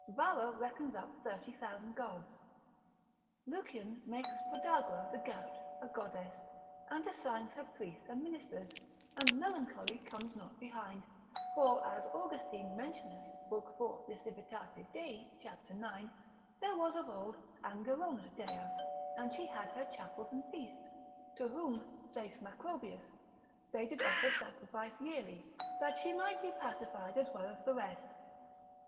Varro reckons up 30,000 gods: Lucian makes Podagra the gout a goddess, and assigns her priests and ministers: and melancholy comes not behind; for as Austin mentioneth, lib. 4. de Civit. Dei, cap. 9. there was of old Angerona dea, and she had her chapel and feasts, to whom (saith Macrobius) they did offer sacrifice yearly, that she might be pacified as well as the rest.